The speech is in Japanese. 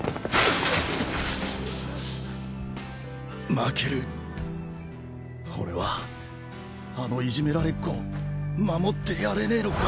負ける俺はあのいじめられっ子を守ってやれねえのか